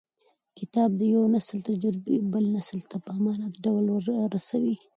کتاب د یو نسل تجربې بل نسل ته په امانت ډول رسوي.